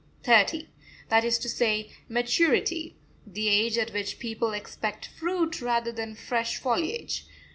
thirty that is to say maturity the age at which people expect fruit rather than fresh foliage.